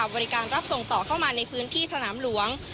รับส่งต่อเข้ามาในพื้นที่สนามหลวง